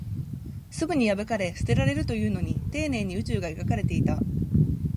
すぐに破かれ、捨てられるというのに、丁寧に宇宙が描かれていた